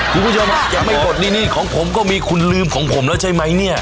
คุณผู้ชมยังไม่ปลดหนี้ของผมก็มีคุณลืมของผมแล้วใช่ไหมเนี่ย